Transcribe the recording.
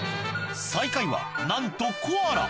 最下位はなんとコアラ！